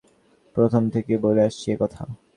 প্রথম থেকেই বলে আসছি এ কথা।